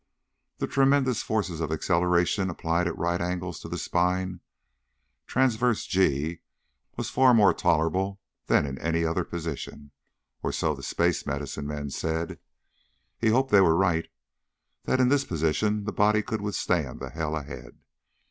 The tremendous forces of acceleration applied at right angles to the spine transverse g was far more tolerable than in any other position. Or so the space medicine men said. He hoped they were right, that in this position the body could withstand the hell ahead.